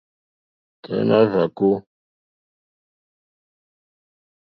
Tɔ̀ímá hvàkó.